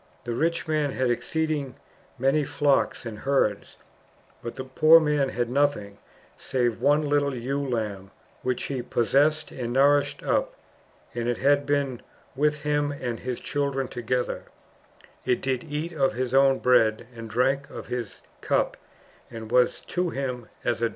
The rich man had exceeding many flocks and herds ; but the poor man had nothing, save one little ewe lamb, which he possessed, and nourished up ; and it had been with him and with his children together : \t did eat of his own bread, and drank of his cup, and was to him as a daughter.